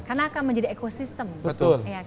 karena akan menjadi ekosistem betul